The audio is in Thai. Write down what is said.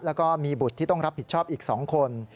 แล้วก็มีบุตรที่ต้องรับผิดชอบอีก๒คน